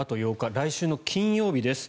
来週の金曜日です。